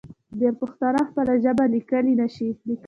ډېری پښتانه خپله ژبه لیکلی نشي.